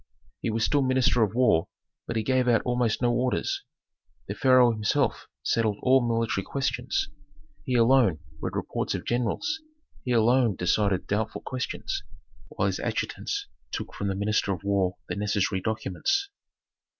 He was still minister of war, but he gave out almost no orders. The pharaoh himself settled all military questions. He alone read reports of generals; he alone decided doubtful questions, while his adjutants took from the minister of war the necessary documents.